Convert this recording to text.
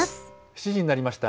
７時になりました。